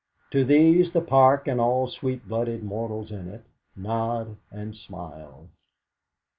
To these the Park and all sweet blooded mortals in it nod and smile.